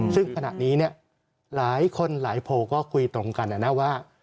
ซึ่งขณะนี้หลายคนหลายโพลก็คุยตรงกันนะว่า